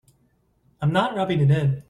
I'm not rubbing it in.